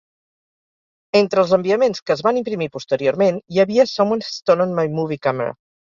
Entre els enviaments que es van imprimir posteriorment hi havia Someone has stolen my movie camera!